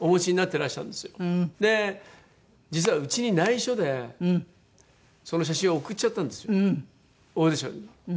で実はうちに内緒でその写真を送っちゃったんですよオーディションに。